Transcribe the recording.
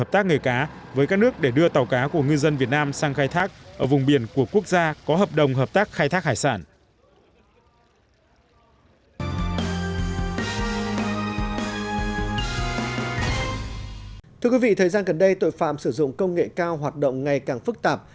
trong thời gian gần đây tội phạm sử dụng công nghệ cao hoạt động ngày càng phức tạp